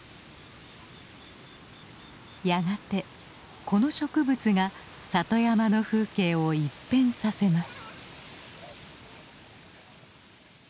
やがてこの植物が里山の風景を一変させます。